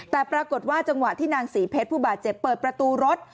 แต่ปรากฏว่าจังหวะที่นางศรีเพชรผู้บาดเจ็บเปิดประตูรถ